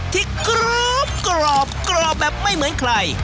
กรุบกรอบกรอบแบบไม่เหมือนใคร